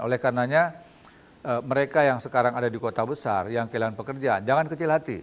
oleh karenanya mereka yang sekarang ada di kota besar yang kehilangan pekerjaan jangan kecil hati